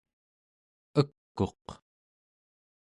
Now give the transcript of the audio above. ek'uq